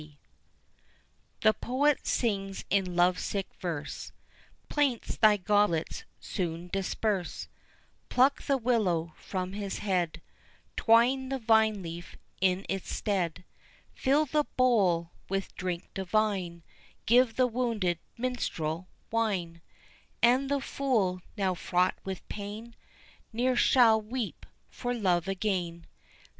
TO BACCHUS. The poet sings in love sick verse Plaints thy goblets soon disperse; Pluck the willow from his head, 'Twine the vine leaf in its stead, Fill the bowl with drink divine, Give the wounded minstrel wine; And the fool now fraught with pain, Ne'er shall weep for love again.